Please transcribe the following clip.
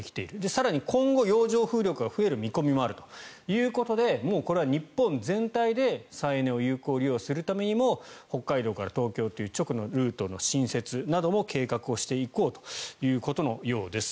更に、今後洋上風力が増える見込みもあるということでもうこれは日本全体で再エネを有効利用するためにも北海道から東京という直のルートの新設なども計画をしていこうということのようです。